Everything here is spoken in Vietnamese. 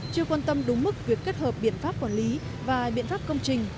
chưa quan tâm đúng mức việc kết hợp biện pháp quản lý và biện pháp công trình